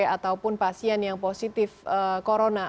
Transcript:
ataupun pasien yang positif corona